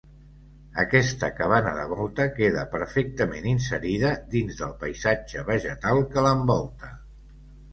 Aquesta cabana de volta queda perfectament inserida dins del paisatge vegetal que l'envolta.